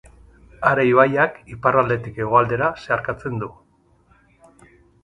Ara ibaiak iparraldetik hegoaldera zeharkatzen du.